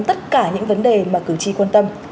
tất cả những vấn đề mà cử tri quan tâm